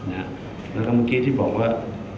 แล้วก็เมื่อกี้ที่บอกว่า